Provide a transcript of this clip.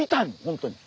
本当に。